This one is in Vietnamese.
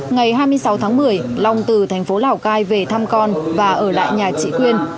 ngày hai mươi sáu tháng một mươi long từ thành phố lào cai về thăm con và ở lại nhà chị quyên